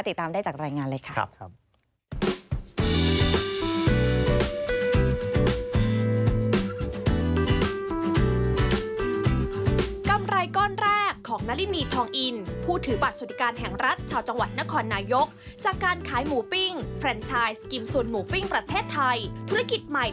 ติดตามได้จากรายงานเลยค่ะ